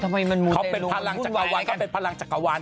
ทำไมมันมูนเตลุ่มละบุ่นไปไหนค่ะเขาเป็นพลังจักรวาง